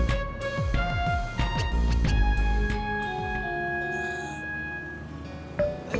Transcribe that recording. bang ojek bang